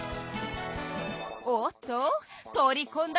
おっと取りこんだ